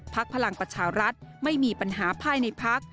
พลังประชารัฐไม่มีปัญหาภายในพัก